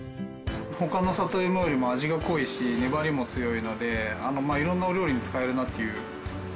他の里いもよりも味が濃いし粘りも強いので色んなお料理に使えるなという。